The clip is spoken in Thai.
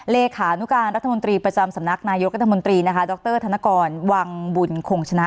เลขานุการรัฐมนตรีประจำสำนักนายกรัฐมนตรีนะคะดรธนกรวังบุญคงชนะ